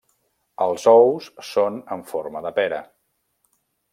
Els ous són en forma de pera.